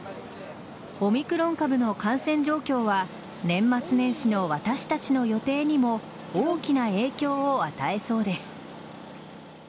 オミクロン株の感染状況は年末年始の私たちの予定にも大きな影響を与えそうです。